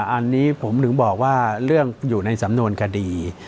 อันนี้เราเลยบอกว่าเรื่องอยู่ในสำนวนกดิ